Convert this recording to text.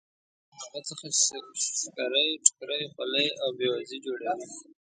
له هغه څخه شکرۍ ټوکرۍ خولۍ او ببوزي جوړوي.